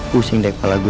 pusing deh kepala gue